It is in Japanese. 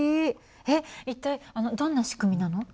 えっ一体どんな仕組みなの？